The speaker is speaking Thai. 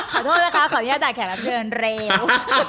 ขอโทษนะค่ะขออนุญาตต่างแข็งเราเชิญเร็ว